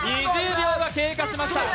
２０秒が経過しました。